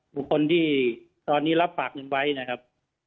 บุคคลที่ตอนนี้รับฝากเงินไว้นะครับ